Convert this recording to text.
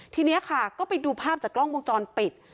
ทีนี้ค่ะก็ไปดูภาพจากกล้องวงจรปิด